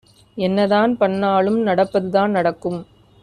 என்னதான் பண்ணாலும் நடப்பது தான் நடக்கும்